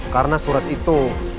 karena surat itu